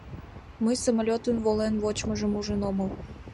Мый самолётын волен вочмыжым ужын омыл.